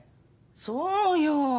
そうよ。